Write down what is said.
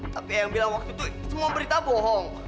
tapi yang bilang waktu itu semua berita bohong